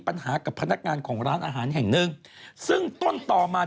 กับพนักงานของร้านอาหารแห่งหนึ่งซึ่งต้นต่อมา